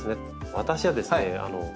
私はですね